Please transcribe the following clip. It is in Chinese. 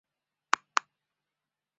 大区首府所在地为埃尔穆波利。